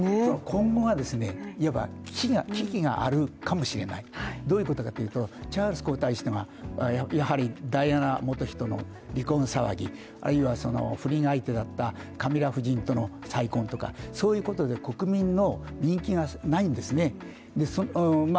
今後はいわば危機があるかもしれない、どういうことかというとチャールズ皇太子は、やはりダイアナ元皇太子妃との離婚騒ぎ、あるいは不倫相手だったカミラ夫人との再会だとかそういうことで国民の人気がないんですね。